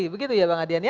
begitu ya bang adrian ya